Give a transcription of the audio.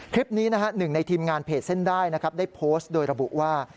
คลิปนี้หนึ่งในทีมงานเพจเส้นได้ได้โพสต์โดยระบุว่า